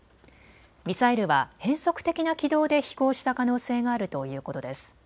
ミサイルは変則的な軌道で飛行した可能性があるということです。